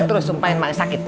terus sumpahin mak sakit